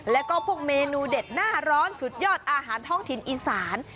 แล้วก็พวกเมนูเด็ดหน้าร้อนสุดยอดอาหารท้องถิ่นอีสาน